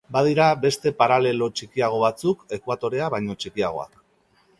Badira beste paralelo txikiago batzuk, Ekuatorea baino txikiagoak.